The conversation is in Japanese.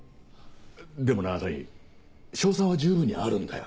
でもな朝陽勝算は十分にあるんだよ。